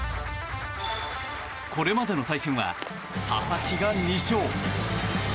これまでの対戦は佐々木が２勝。